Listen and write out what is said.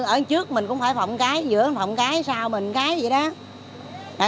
ở trước mình cũng phải phòng cái giữa mình phòng cái sau mình cái vậy đó